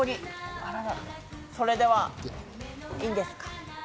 それでは、いいんですか？